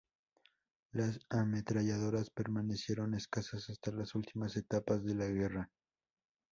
Las ametralladoras permanecieron escasas hasta las últimas etapas de la guerra.